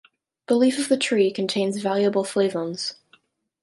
The leaf of the tree contains valuable flavones.